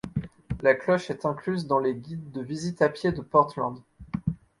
La cloche est incluse dans les guides de visites à pied de Portland.